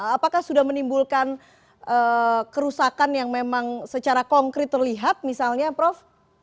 apakah sudah menimbulkan kerusakan yang memang secara konkret terlihat misalnya prof